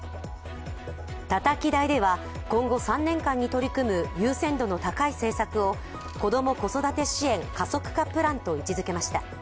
たたき台では、今後３年間に取り組む優先度の高い政策を子ども・子育て支援加速化プランと位置づけました。